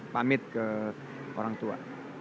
pamit ke orang tua